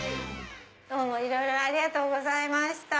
どうもいろいろありがとうございました。